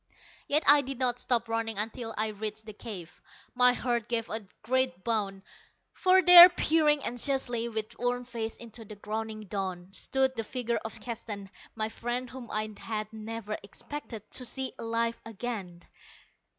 Yet I did not stop running until I reached the cave. My heart gave a great bound. For there, peering anxiously with worn face into the growing dawn, stood the figure of Keston my friend whom I had never expected to see alive again.